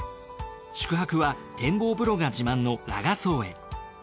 宿泊は展望風呂が自慢の羅賀荘へ。